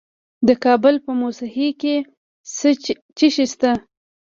د کابل په موسهي کې څه شی شته؟